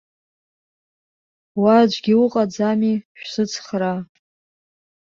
Уа аӡәгьы уҟаӡами, шәсыцхраа!